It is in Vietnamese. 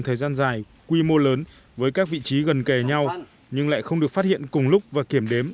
thời gian dài quy mô lớn với các vị trí gần kề nhau nhưng lại không được phát hiện cùng lúc và kiểm đếm